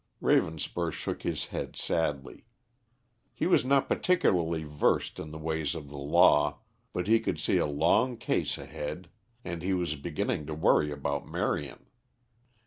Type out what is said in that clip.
Ravenspur shook his head sadly. He was not particularly versed in the ways of the law, but he could see a long case ahead; and he was beginning to worry about Marion.